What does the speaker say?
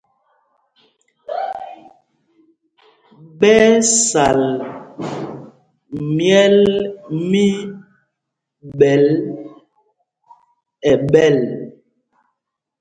Ɓɛ́ ɛ́ sal myɛ̌l mí Ɓɛ̂l ɛɓɛl.